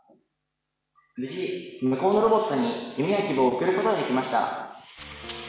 無事向こうのロボットに夢や希望を送ることができました。